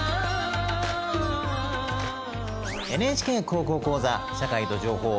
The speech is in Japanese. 「ＮＨＫ高校講座社会と情報」。